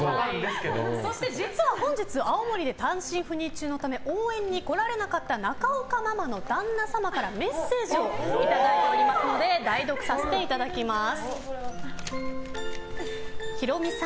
実は、本日青森で単身赴任中のため応援に来られなかった中岡ママの旦那様からメッセージをいただいておりますので代読させていただきます。